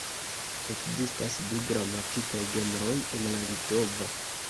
Ekzistas du gramatikaj genroj en la litova.